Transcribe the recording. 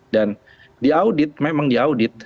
dan di audit memang di audit